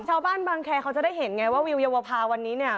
ชาวบ้านบางแคร์เขาจะได้เห็นไงว่าวิวเยาวภาวันนี้เนี่ย